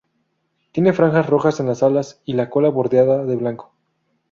Tiene franjas rojas en las alas y la cola bordeada de blanco.